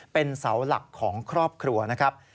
เป็นเสาหลักของครอบครัวนะครับ